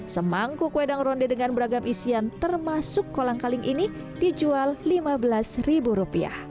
semangkuk wedang ronde dengan beragam isian termasuk kolang kaling ini dijual rp lima belas